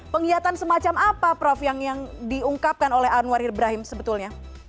penghiatan semacam apa prof yang diungkapkan oleh anwar ibrahim sebetulnya